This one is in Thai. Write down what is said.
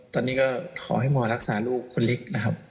ตอนนี้ก็ขอให้หมอรักษาลูกคนเล็กนะครับ